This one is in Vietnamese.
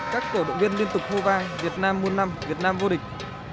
các cổ động viên liên tục hô vang việt nam muôn năm việt nam vô địch